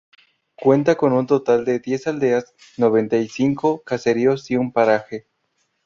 Cuenta con un total de diez aldeas, noventa y cinco caseríos y un paraje.